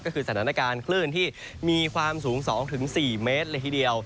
ก็คือสถานการณ์คลื่นที่มีความสูง๒๔เมตรเลยทีเดียว